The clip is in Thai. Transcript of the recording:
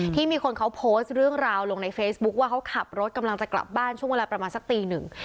ที่มีคนเขาโพสต์เรื่องราวลงในเฟซบุ๊คว่าเขาขับรถกำลังจะกลับบ้านช่วงเวลาประมาณสักตีหนึ่ง